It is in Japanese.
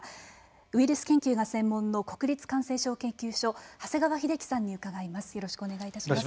ウイルス研究が専門の国立感染症研究所長谷川秀樹さんに伺います。